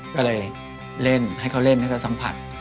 ก็เลยเล่นให้เขาเล่นให้เขาสัมผัส